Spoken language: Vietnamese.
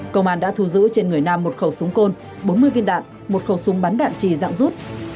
công an đã thu giữ trên người nam một khẩu súng côn bốn mươi viên đạn một khẩu súng bắn đạn trì dạng rút